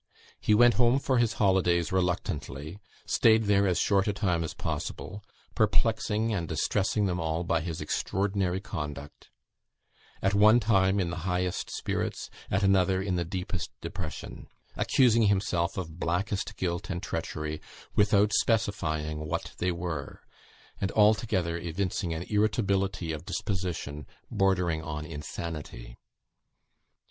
He went home for his holidays reluctantly, stayed there as short a time as possible, perplexing and distressing them all by his extraordinary conduct at one time in the highest spirits, at another, in the deepest depression accusing himself of blackest guilt and treachery, without specifying what they were; and altogether evincing an irritability of disposition bordering on insanity.